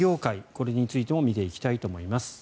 これについても見ていきたいと思います。